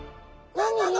「何なの？